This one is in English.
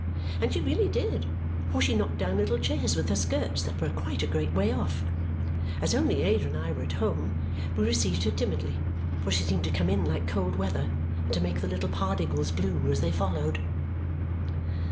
And she really did, for she knocked down little chairs with her skirts that were quite a great way off. As only Ada and I were at home, we received her timidly, for she seemed to come in like cold weather and to make the little Pardiggles blue as they followed.